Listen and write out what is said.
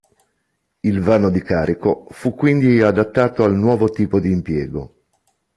Il vano di carico fu quindi adattato al nuovo tipo di impiego.